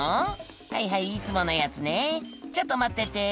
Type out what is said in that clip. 「はいはいいつものやつねちょっと待ってて」